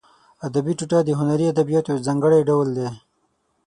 ادبي ټوټه د هنري ادبیاتو یو ځانګړی ډول دی.